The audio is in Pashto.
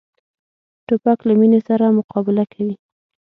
توپک له مینې سره مقابله کوي.